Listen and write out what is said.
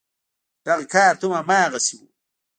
دغه کارت هم هماغسې و.